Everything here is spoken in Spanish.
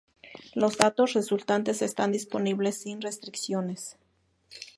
Los datos resultantes están disponibles sin restricciones